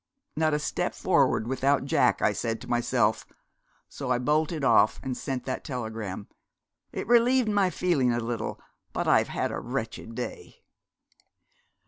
"Not a step forward without Jack," I said to myself, so I bolted off and sent that telegram. It relieved my feeling a little, but I've had a wretched day.'